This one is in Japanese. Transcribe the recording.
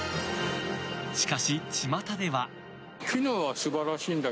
しかし、ちまたでは。